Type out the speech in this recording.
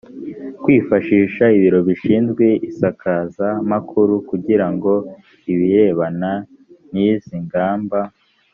kwifashisha ibiro bishinzwe isakazamakuru kugira ngo ibirebana n izi ngamba